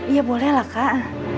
ya boleh lah kak